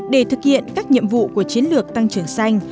để thực hiện các nhiệm vụ của chiến lược tăng trưởng xanh